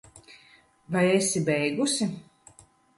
Vai esi beigusi?